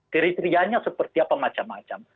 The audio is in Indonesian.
kriterianya seperti apa macam macam